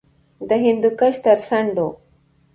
د هندوکش تر څنډو